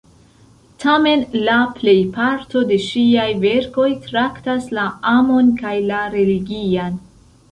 Tamen la plejparto de ŝiaj verkoj traktas la amon kaj la religian.